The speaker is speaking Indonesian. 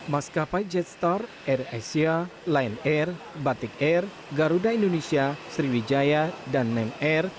maskapai jetstar air asia lion air batik air garuda indonesia sriwijaya dan nem air